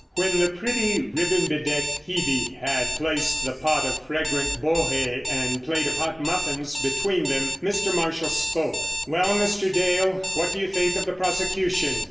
When the pretty, ribbon bedecked Hebe had placed the pot of fragrant bohé and plate of hot muffins between them, Mr. Marshall spoke: "Well, Mr. Dale, what do you think of the prosecution?"